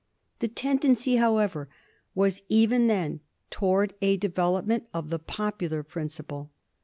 The tendency, however, was even then towards a development of the popular principle.